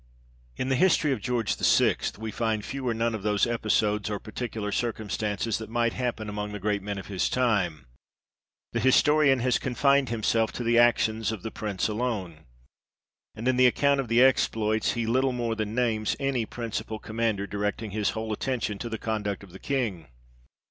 In the history of George the sixth, we find few or none of those episodes, or particular circumstances that might happen among the great men of his time ; the historian has confined himself to the actions of the Prince alone. And in the account of the exploits, he little more than names any principal Commander, directing his whole attention to the conduct of the King.